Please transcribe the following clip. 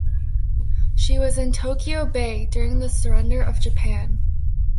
She was in Tokyo Bay during the surrender of Japan.